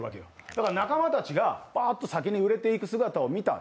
だから仲間たちが、バーッと先に売れていく姿を見た。